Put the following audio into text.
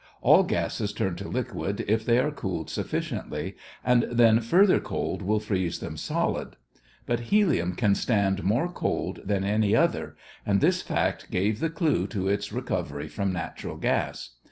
All gases turn to liquid if they are cooled sufficiently, and then further cold will freeze them solid. But helium can stand more cold than any other and this fact gave the clue to its recovery from natural gas.